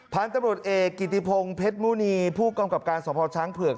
พันธุ์ตำรวจเอกกิติพงศ์เพชรมุณีผู้กำกับการสภช้างเผือก